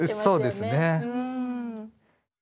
そうですね。